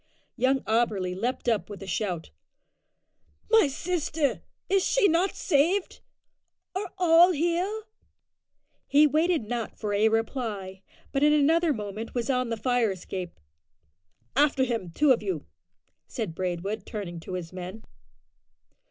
Young Auberly leaped up with a shout. "My sister! is she not saved? Are all here?" He waited not for a reply, but in another moment was on the fire escape. "After him, two of you," said Braidwood, turning to his men.